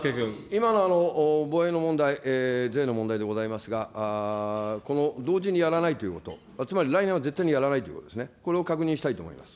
今の防衛の問題、税の問題でございますが、この同時にやらないということ、つまり来年は絶対にやらないということですね、これを確認したいと思います。